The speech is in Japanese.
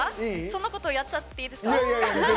そんなことやっちゃっていいですか。